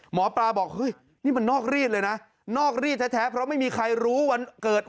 หมอปลาบอกเฮ้ยนี่มันนอกรีดเลยนะนอกรีดแท้เพราะไม่มีใครรู้วันเกิด